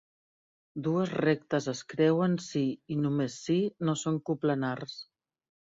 Dues rectes es creuen si i només si no són coplanars.